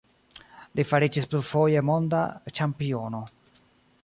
Li fariĝis plurfoje monda ĉampiono.